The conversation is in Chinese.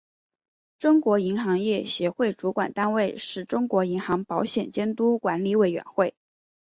中国银行业协会主管单位是中国银行保险监督管理委员会。